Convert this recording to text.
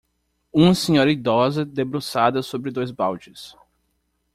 Uma senhora idosa debruçada sobre dois baldes.